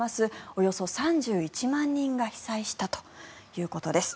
およそ３１万人が被災したということです。